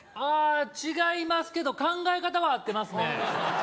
違いますけど考え方は合ってますね